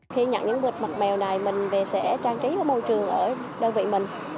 khi nhận những vực mặt mèo này mình sẽ trang trí môi trường ở đơn vị mình